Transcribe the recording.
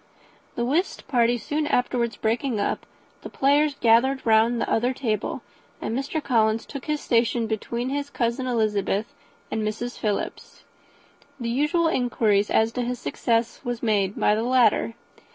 The whist party soon afterwards breaking up, the players gathered round the other table, and Mr. Collins took his station between his cousin Elizabeth and Mrs. Philips. The usual inquiries as to his success were made by the latter.